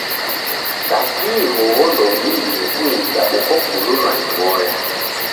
Saki huw'o, ndoudimie kuinja uko kululwa ni moyo.